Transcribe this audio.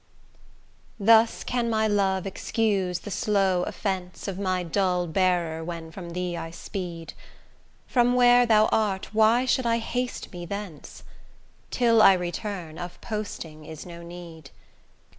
LI Thus can my love excuse the slow offence Of my dull bearer when from thee I speed: From where thou art why should I haste me thence? Till I return, of posting is no need.